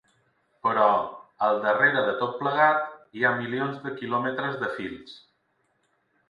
Però, al darrere de tot plegat, hi ha milions de quilòmetres de fils.